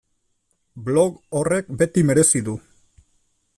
Blog horrek beti merezi du.